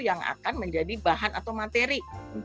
yang akan menjadi bahan atau materi